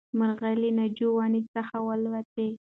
مرغۍ له ناجو ونې څخه والوتې.